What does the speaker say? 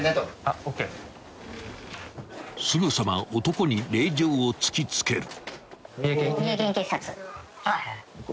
［すぐさま男に令状を突き付ける］